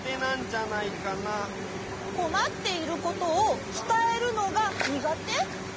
こまっていることを伝えるのがにがて？